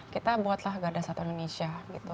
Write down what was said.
kita buatlah gadasat indonesia